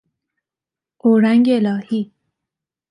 اورنگ الهی